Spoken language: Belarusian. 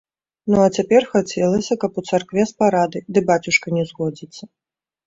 Ну, а цяпер хацелася, каб у царкве з парадай, ды бацюшка не згодзіцца?